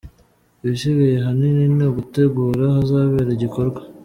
Ibisigaye ahanini ni ugutegura ahazabera igikorwa.